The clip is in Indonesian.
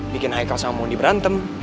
bikin ike sama mondi berantem